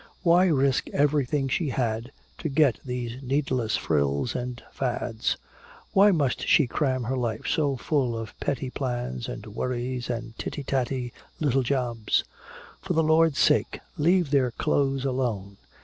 Why risk everything she had to get these needless frills and fads? Why must she cram her life so full of petty plans and worries and titty tatty little jobs? For the Lord's sake, leave their clothes alone!